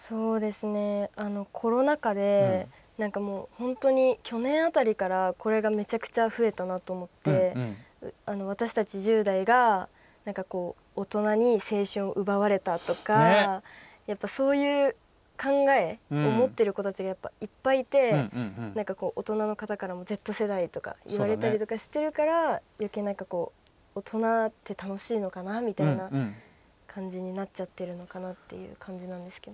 コロナ禍で本当に去年辺りからこれがめちゃくちゃ増えたなと思って私たち１０代が大人に青春を奪われたとかそういう考えを持っている子がいっぱいいて大人の方からもＺ世代とか言われたりしているからよけいに大人って楽しいのかなみたいな感じになっちゃってるのかなって感じなんですけど。